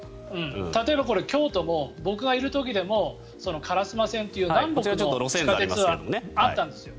例えば京都も僕がいる時でも烏丸線という南北の地下鉄があったんですよ。